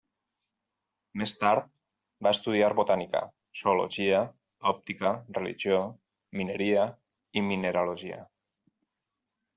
Més tard va estudiar botànica, zoologia, òptica, religió, mineria i mineralogia.